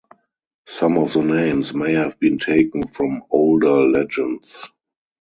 Some of the names may have been taken from older legends.